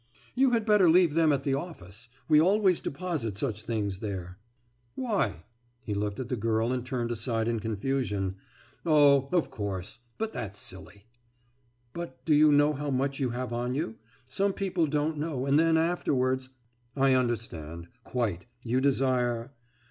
« »You had better leave them at the office. We always deposit such things there.« »Why?« He looked at the girl, and turned aside in confusion. »Oh, of course ... but that's silly!« »But do you know how much you have on you? Some people don't know, and then afterwards....« »I understand. Quite. You desire....